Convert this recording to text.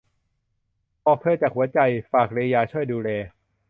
บอกเธอจากหัวใจ ฝากเรยาช่วยดูแล